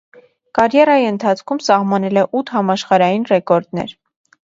Կարիերիայի ընթացքում սահմանել է ութ համաշխարհային ռեկորդներ։